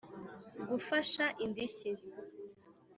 gufasha indishyi